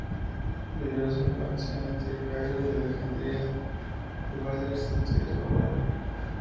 Vivirá su infancia entre El Cairo y Alejandría, lugar de residencia de su abuelo.